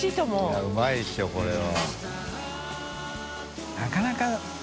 いやうまいでしょこれは。